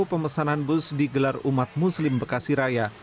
pemesanan bus digelar umat muslim bekasi raya